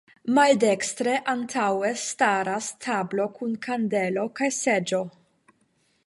Maldekstre antaŭe staras tablo kun kandelo kaj seĝo.